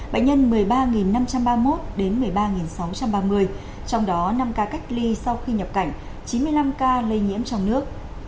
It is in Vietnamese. bệnh nhân một mươi ba năm trăm ba mươi một một mươi ba sáu trăm ba mươi trong đó năm ca cách ly sau khi nhập cảnh chín mươi năm ca lây nhiễm trong nước